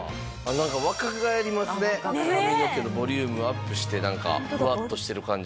なんか若返りますね髪の毛のボリュームアップしてフワッとしてる感じが。